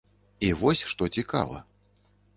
І вось што цікава.